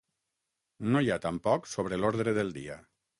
No hi ha tampoc sobre l’ordre del dia.